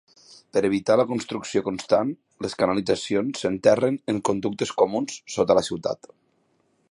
Per evitar la construcció constant, les canalitzacions s'enterren en conductes comuns sota la ciutat.